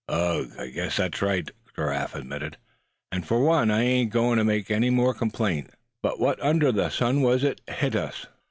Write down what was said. "Ugh! guess that's right," Giraffe admitted; "and for one I ain't goin' to make any more complaint. But what under the sun was it hit us?"